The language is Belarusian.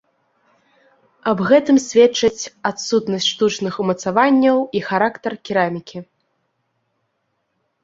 Аб гэтым сведчаць адсутнасць штучных умацаванняў і характар керамікі.